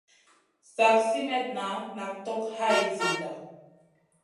Slak simètna nak tog hay zida.